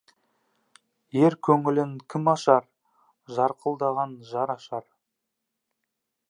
Ер көңілін кім ашар, жарқылдаған жар ашар.